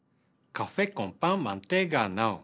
カフェコンパンマンティガノン。